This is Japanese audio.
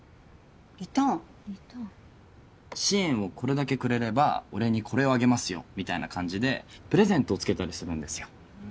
リターン？支援をこれだけくれればお礼にこれをあげますよみたいな感じでプレゼントをつけたりするんですよ。